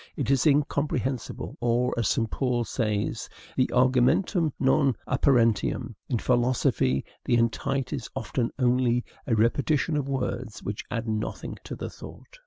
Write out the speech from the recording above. It is incomprehensible; or, as St. Paul says, the argumentum non apparentium. In philosophy, the entite is often only a repetition of words which add nothing to the thought.